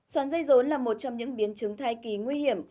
xoắn dây rốn là một trong những biến chứng thai kỳ nguy hiểm